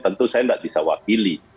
tentu saya tidak bisa wakili